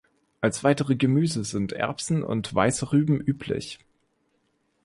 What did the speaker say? Als weitere Gemüse sind Erbsen und Weiße Rüben üblich.